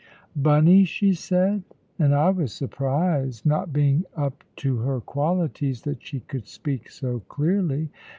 '" "Bunny!" she said; and I was surprised, not being up to her qualities, that she could speak so clearly.